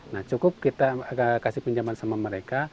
nah cukup kita kasih pinjaman sama mereka